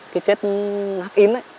cái chất hắc in ấy